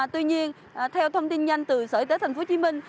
tuy nhiên theo thông tin nhanh từ sở y tế thành phố hồ chí minh